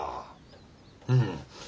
うん。